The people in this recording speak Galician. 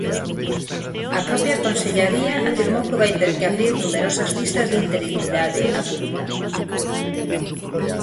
"A propia Consellaría afirmou que vai ter que abrir numerosas listas de interinidade", apunta.